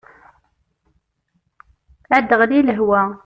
Ad aɣli lehwa.